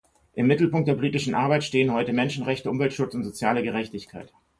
Im Mittelpunkt der politischen Arbeit stehen heute Menschenrechte, Umweltschutz und soziale Gerechtigkeit.